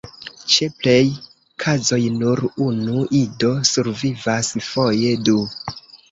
Ĉe plej kazoj nur unu ido survivas, foje du.